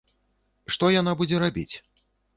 Што яна будзе рабіць?